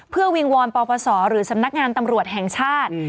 เพื่อวิงวอนปปศหรือสำนักงานตำรวจแห่งชาติ